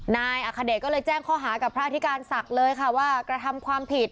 นายอัคเดชก็เลยแจ้งข้อหากับพระอธิการศักดิ์เลยค่ะว่ากระทำความผิด